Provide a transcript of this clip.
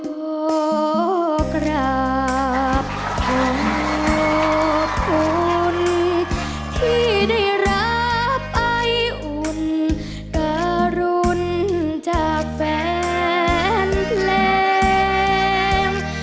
โลกราบโลกภูมิที่ได้รับไอ้อุ่นกระรุนจากแฟนเพลง